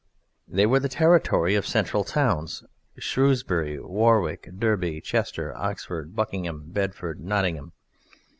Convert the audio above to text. They were the territory of central towns: Shrewsbury, Warwick, Derby, Chester, Oxford, Buckingham, Bedford, Nottingham.